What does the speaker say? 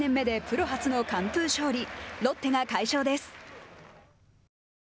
ロッテが快勝です。